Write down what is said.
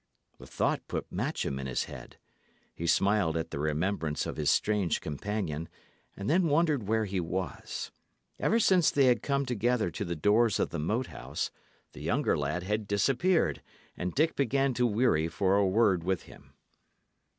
The thought put Matcham in his head. He smiled at the remembrance of his strange companion, and then wondered where he was. Ever since they had come together to the doors of the Moat House the younger lad had disappeared, and Dick began to weary for a word with him.